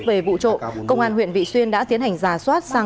về vụ trộn công an huyện vị xuyên đã tiến hành giả soát